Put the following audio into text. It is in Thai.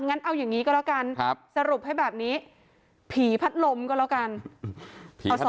งั้นเอาอย่างงี้ก็แล้วกันครับสรุปให้แบบนี้ผีพัดลมก็แล้วกันผีพัดลมนะ